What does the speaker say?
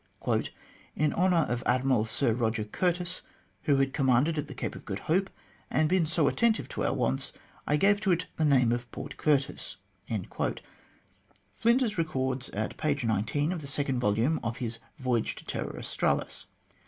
" In honour of Admiral Sir Eoger Curtis, who had commanded at the Cape of Good Hope, and been so attentive to our wants, I gave to it the name of Port Curtis," Flinders records at page 19 of the second volume of his "Voyage to Terra Australis."